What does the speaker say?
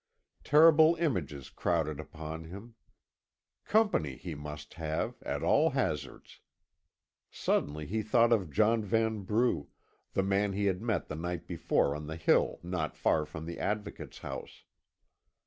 Terrible images crowded upon him. Company he must have, at all hazards. Suddenly he thought of John Vanbrugh, the man he had met the night before on the hill not far from the Advocate's house.